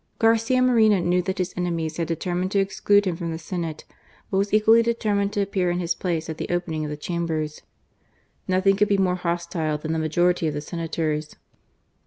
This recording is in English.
Garcia Moreno knew that his enemies had determined to exclude him from the Senate, but was equally determined to appear in his place at the opening of the Chambers. Nothing could be more hostile than the majority of the Senators.